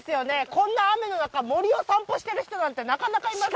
こんな雨のなか森を散歩してる人なんてなかなかいませんよ